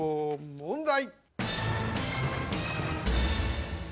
問題！